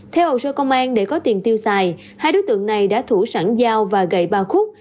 theo hồ sơ công an để có tiền tiêu xài hai đối tượng này đã thủ sẵn dao và gậy ba khúc